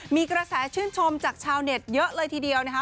มีกระแสชื่นชมจากชาวเน็ตเยอะเลยทีเดียวนะคะ